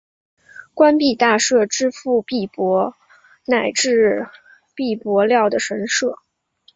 官币大社支付币帛乃至币帛料的神社。